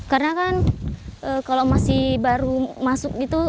karena kan kalau masih baru masuk gitu